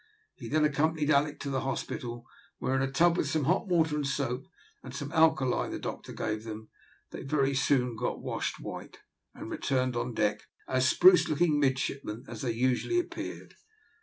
He then accompanied Alick into the hospital, where, in a tub with some hot water and soap, and some alkali the doctor gave them, they very soon got washed white, and returned on deck as spruce looking midshipmen as they usually appeared.